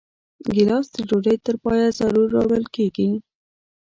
ګیلاس د ډوډۍ تر پایه ضرور راوړل کېږي.